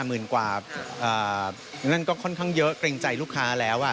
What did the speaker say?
หมื่นกว่านั่นก็ค่อนข้างเยอะเกรงใจลูกค้าแล้ว